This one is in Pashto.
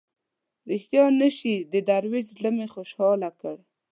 ریښتیا نه شي د دروېش زړه مې خوشاله کړ.